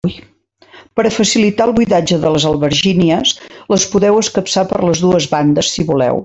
Per a facilitar el buidatge de les albergínies, les podeu escapçar per les dues bandes si voleu.